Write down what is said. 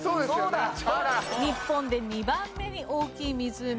「日本で２番目に大きい湖は？」。